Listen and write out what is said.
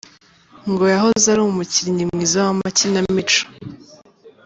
Ngo yahoze ari umukinnyi mwiza wa makinamico.